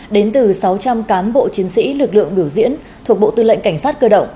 đến từ sáu trăm linh cán bộ chiến sĩ lực lượng biểu diễn thuộc bộ tư lệnh cảnh sát cơ động